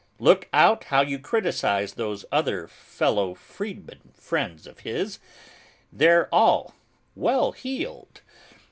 Look out how you criticise those other fellow freedmen friends of his, they're all well heeled.